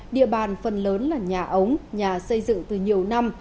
địa bàn phần lớn là nhà ống nhà xây dựng từ nhiều năm